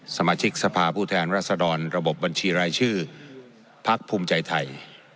สมาชิกสภาพผู้แทนรัศดรระบบบัญชีรายชื่อพักภูมิใจไทย